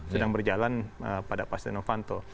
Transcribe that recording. sedang berjalan pada pak sidenovanto